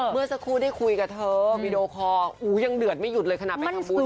เมื่อสักครู่ได้คุยกับเธอวีดีโอคอร์ยังเดือดไม่หยุดเลยขณะไปทำบุญ